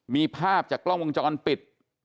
มีภาพจากกล้องวงจรปิด